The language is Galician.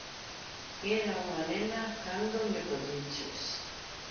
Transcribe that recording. Era unha nena cando me colliches.